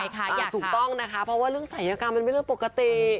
อยากถูกต้องนะคะเพราะว่าเรื่องศัยกรรมมันเป็นเรื่องปกติ